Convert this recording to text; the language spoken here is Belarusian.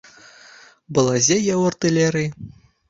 Балазе я ў артылерыі.